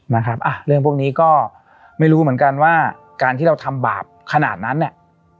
นะครับอ่ะเรื่องพวกนี้ก็ไม่รู้เหมือนกันว่าการที่เราทำบาปขนาดนั้นเนี่ย